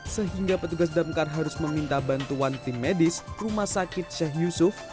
sehingga petugas damkar harus meminta bantuan tim medis rumah sakit sheikh yusuf